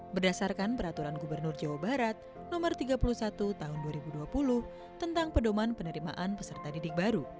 berdasarkan peraturan gubernur jawa barat no tiga puluh satu tahun dua ribu dua puluh tentang pedoman penerimaan peserta didik baru